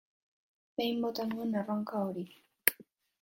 Behin bota nuen erronka hori.